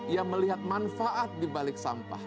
ia melihat manfaat di balik sampah